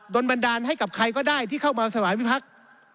บันดาลให้กับใครก็ได้ที่เข้ามาสวายวิพักษ์